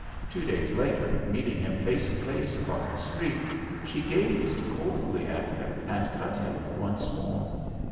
Two days later, meeting him face to face upon the street, she gazed coldly at him, and cut him once more.